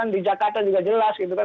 di jakarta juga jelas gitu kan